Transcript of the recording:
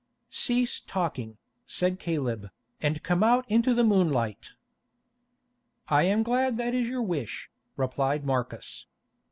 "Cease talking," said Caleb, "and come out into the moonlight." "I am glad that is your wish," replied Marcus.